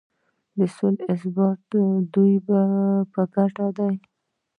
سوله او ثبات د دوی په ګټه دی.